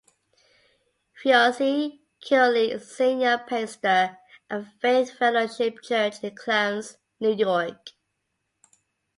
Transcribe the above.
Froese currently is the senior pastor at Faith Fellowship Church in Clarence, New York.